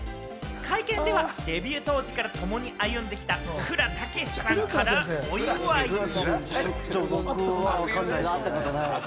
会見ではデビュー当時からともに歩んできた、倉たけしさんから、お祝いも！